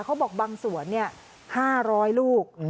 เขาบอกบางสวนเนี่ย๕๐๐ลูก